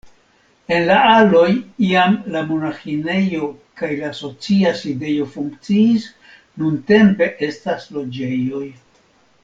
En la aloj iam la monaĥinejo kaj la asocia sidejo funkciis, nuntempe estas loĝejoj.